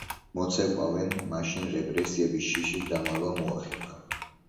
მოცეკვავემ მაშინ, რეპრესიების შიშით, დამალვა მოახერხა.